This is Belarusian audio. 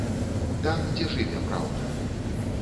Там, дзе жыве праўда.